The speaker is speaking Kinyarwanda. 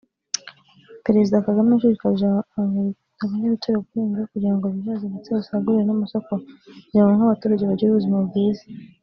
Perezida Kagame yashishikarije abanyarutsiro guhinga kugirango bihaze ndetse basagurire n’amasoko kugirango nk’abaturage bagire ubuzima bwiza